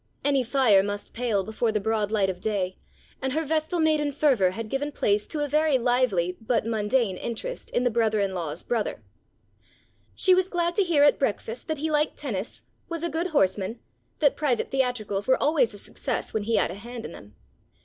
Any fire must pale before the broad light of day, and her vestal maiden fervour had given place to a very lively but mundane interest in the brother in law's brother. She was glad to hear at breakfast that he liked tennis, was a good horseman, that private theatricals were always a success when he had a hand in them.